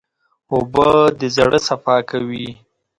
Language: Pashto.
اوبه د زړه صفا کوي.